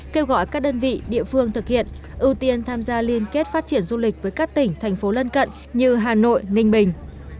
kêu gọi các đơn vị địa phương thực hiện ưu tiên tham gia liên kết phát triển du lịch với các tỉnh thành phố lân cận như hà nội ninh bình